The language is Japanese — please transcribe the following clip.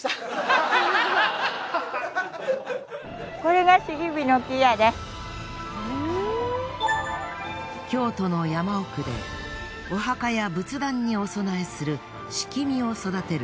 これが京都の山奥でお墓や仏壇にお供えする樒を育てる